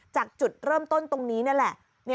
จากจุดเริ่มต้นตรงนี้นี่แหละ